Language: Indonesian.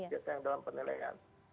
biasanya dalam penilaian